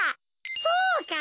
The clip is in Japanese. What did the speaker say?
そうか！